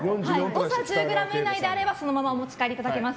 誤差１０ｇ以内であればそのままお持ち帰りいただけます。